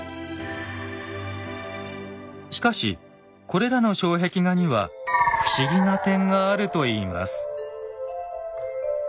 しかしこれらの障壁画には不思議な点があるといいます。